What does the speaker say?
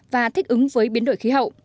và thích ứng với biến đổi